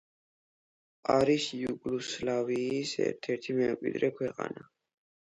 არის იუგოსლავიის ერთ-ერთი მემკვიდრე ქვეყანა.